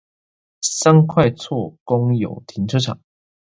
三塊厝公有停車場